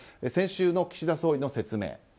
先週の岸田総理の説明。